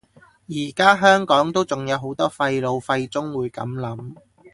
而家香港都仲有好多廢老廢中會噉諗